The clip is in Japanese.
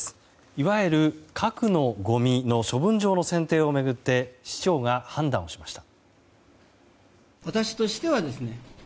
いわゆる核のごみの処分場の選定を巡って市長が判断をしました。